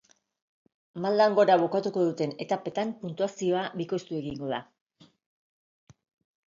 Maldan gora bukatuko duten etapetan puntuazioa bikoiztu egingo da.